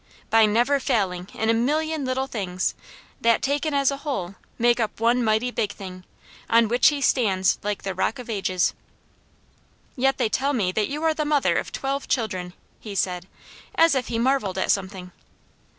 "By never failing in a million little things, that taken as a whole, make up one mighty big thing, on which he stands like the Rock of Ages." "Yet they tell me that you are the mother of twelve children," he said, as if he marvelled at something.